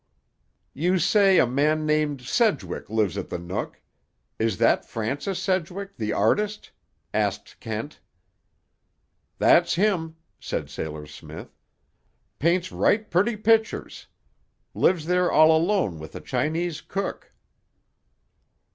"You say a man named Sedgwick lives at the Nook. Is that Francis Sedgwick, the artist?" asked Kent. "That's him," said Sailor Smith. "Paints right purty pictures. Lives there all alone with a Chinese cook."